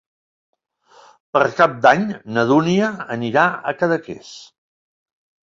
Per Cap d'Any na Dúnia anirà a Cadaqués.